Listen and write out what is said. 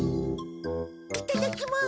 いただきます。